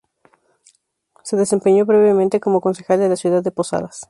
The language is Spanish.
Se desempeñó brevemente como concejal de la ciudad de Posadas.